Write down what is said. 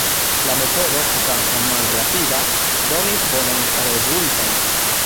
La metodo, kvankam malrapida, donis bonajn rezultojn.